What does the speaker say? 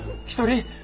一人。